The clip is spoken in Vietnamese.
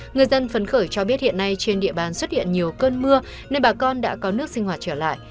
người dân phấn khởi cho biết hiện nay trên địa bàn xuất hiện nhiều cơn mưa nên bà con đã có nước sinh hoạt trở lại